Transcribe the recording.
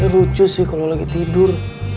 eh lucu sih kalo lagi tidur